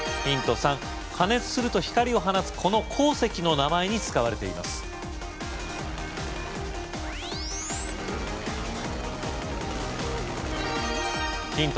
３加熱すると光を放つこの鉱石の名前に使われていますヒント